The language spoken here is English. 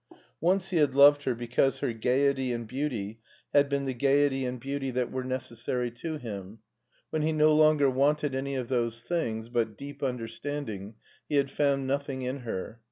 Once he had loved her because her gayety and beauty had been the gayety and beauty 298 MARTIN SCHULER that were necessary to him. When he no longer wanted any of those things, but deep understanding, he had found nothing in her.